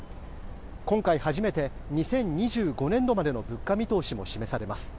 今回初めて２０２５年度までの物価見通しも示されます。